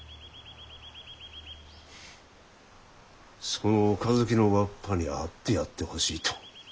その岡崎のわっぱに会ってやってほしいと。